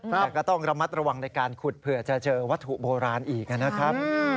แต่ก็ต้องระมัดระวังในการขุดเผื่อจะเจอวัตถุโบราณอีกนะครับ